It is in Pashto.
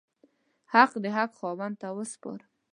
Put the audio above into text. حق د حق خاوند ته وسپارم.